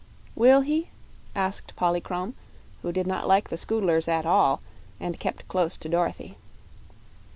"Will he?" asked Polychrome, who did not like the Scoodlers at all, and kept close to Dorothy.